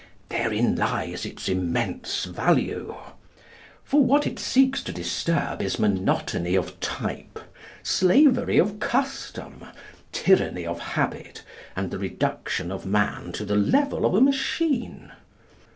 Therein lies its immense value. For what it seeks to disturb is monotony of type, slavery of custom, tyranny of habit, and the reduction of man to the level of a machine.